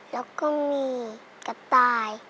แล้วก็มีกระต่าย